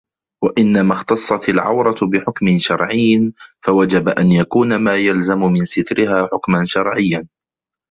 وَإِنَّمَا اخْتَصَّتْ الْعَوْرَةُ بِحُكْمٍ شَرْعِيٍّ فَوَجَبَ أَنْ يَكُونَ مَا يَلْزَمُ مِنْ سَتْرِهَا حُكْمًا شَرْعِيًّا